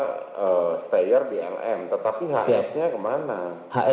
steyr di lm tetapi hs nya kemana